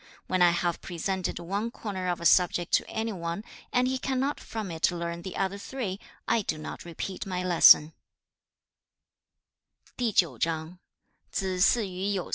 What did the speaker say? When I have presented one corner of a subject to any one, and he cannot from it learn the other three, I do not repeat my lesson.'